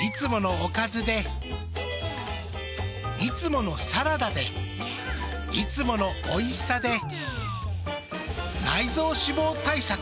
いつものおかずでいつものサラダでいつものおいしさで内臓脂肪対策。